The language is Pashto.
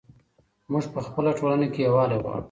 موږ په خپله ټولنه کې یووالی غواړو.